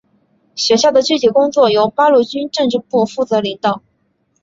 学校的具体工作由八路军政治部负责领导。